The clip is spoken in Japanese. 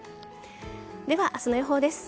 では明日の予報です。